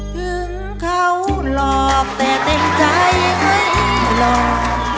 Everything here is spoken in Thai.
ถึงเขาหลอกแต่เต็มใจให้หลอก